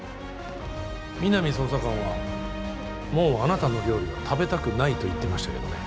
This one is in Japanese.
皆実捜査官はもうあなたの料理は食べたくないと言ってましたけどね